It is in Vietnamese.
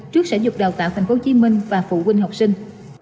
trước sở dục đào tạo tp hcm và phụ huynh học sinh